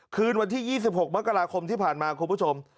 คืนวันที่๒๖มกราคมที่ผ่านมาคุณผู้ชม